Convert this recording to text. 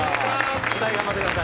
舞台頑張ってください。